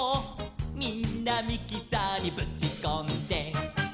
「みんなミキサーにぶちこんで」